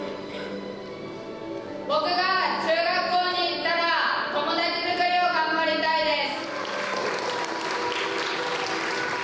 僕が中学校に行ったら友達づくりを頑張りたいです。